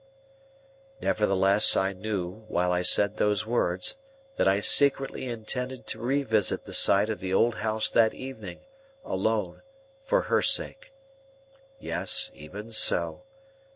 Nevertheless, I knew, while I said those words, that I secretly intended to revisit the site of the old house that evening, alone, for her sake. Yes, even so.